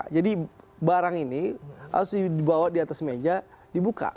jadi barang ini harus dibawa di atas meja dibuka